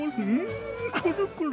んこれこれ！